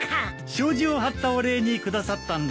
障子を張ったお礼に下さったんだ。